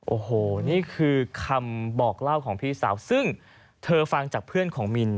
โอ้โหนี่คือคำบอกเล่าของพี่สาวซึ่งเธอฟังจากเพื่อนของมิน